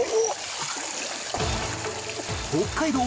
北海道